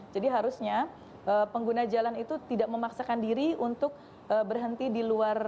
jadi harusnya pengguna jalan itu tidak memaksakan diri untuk berhenti di luar